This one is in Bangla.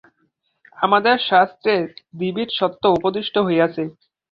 আমাদের শাস্ত্রে দ্বিবিদ সত্য উপদিষ্ট হইয়াছে।